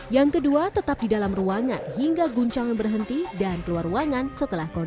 yang kedua tetap di dalam ruangan hingga guncangan berhenti dan keluar ruangan setelah kondisi